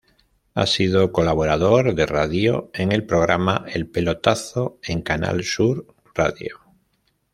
Ha sido colaborador de radio en el programa "El pelotazo" en Canal Sur Radio.